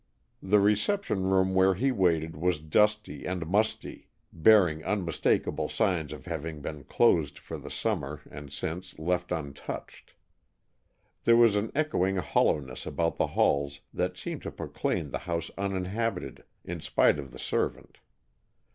The reception room where he waited was dusty and musty, bearing unmistakable signs of having been closed for the summer and since left untouched. There was an echoing hollowness about the halls that seemed to proclaim the house uninhabited, in spite of the servant.